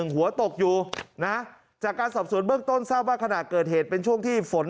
หัวตกอยู่นะจากการสอบสวนเบื้องต้นทราบว่าขณะเกิดเหตุเป็นช่วงที่ฝน